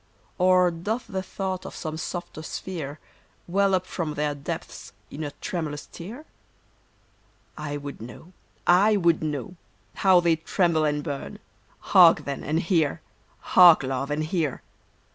Or doth the thought of some softer sphere Well up from their depths in a tremulous tear ? I would know ! I would know ! How they tremble and burn ! Hark, then, and hear ! Hark, Love, and hear